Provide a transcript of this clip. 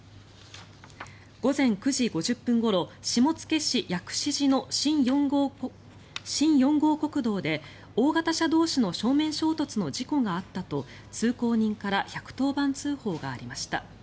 午前９時５０分ごろ下野市薬師寺の新４号国道で大型車同士の正面衝突の事故があったと通行人から１１０番通報がありました。